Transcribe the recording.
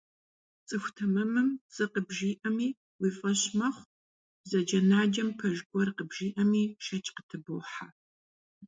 ЦӀыху тэмэмым пцӀы къыбжиӀэми уи фӀэщ мэхъу, бзаджэнаджэм пэж гуэр къыбжиӀэми, шэч къытыбохьэ.